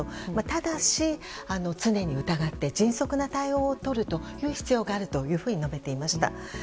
ただし、常に疑って迅速な対応をとる必要があると述べていました。